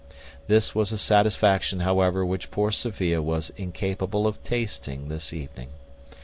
This was a satisfaction, however, which poor Sophia was incapable of tasting this evening.